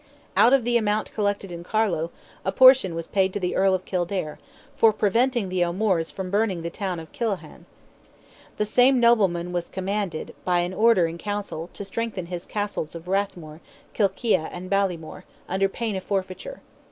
Out of the amount collected in Carlow, a portion was paid to the Earl of Kildare, "for preventing the O'Moores from burning the town of Killahan." The same nobleman was commanded, by an order in Council, to strengthen his Castles of Rathmore, Kilkea, and Ballymore, under pain of forfeiture.